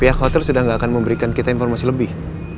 pihak hotel sudah tidak akan memberikan kita informasi lebih